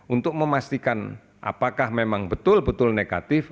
untuk memastikan apakah memang betul betul negatif